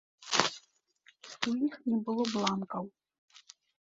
У іх не было бланкаў.